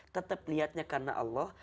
tetap niatnya karena allah